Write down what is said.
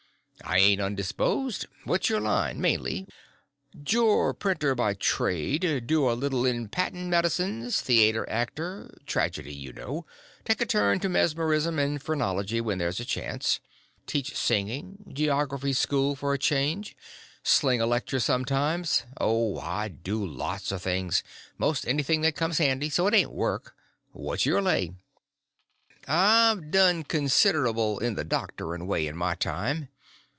"I ain't undisposed. What's your line—mainly?" "Jour printer by trade; do a little in patent medicines; theater actor—tragedy, you know; take a turn to mesmerism and phrenology when there's a chance; teach singing geography school for a change; sling a lecture sometimes—oh, I do lots of things—most anything that comes handy, so it ain't work. What's your lay?" "I've done considerble in the doctoring way in my time.